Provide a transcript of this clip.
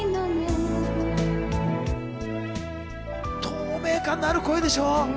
透明感のある声でしょう？